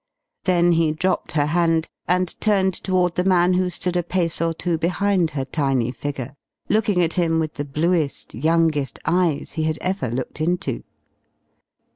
Then he dropped her hand and turned toward the man who stood a pace or two behind her tiny figure, looking at him with the bluest, youngest eyes he had ever looked into.